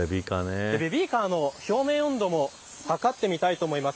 ベビーカーの表面温度も計ってみたいと思います。